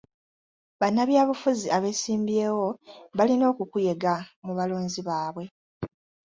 Bannabyabufuzi abeesimbyewo balina okukuyega mu balonzi baabwe.